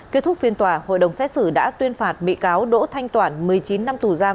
kết thúc phiên tòa hội đồng xét xử đã tuyên phạt bị cáo đỗ thanh toản một mươi chín năm tù giam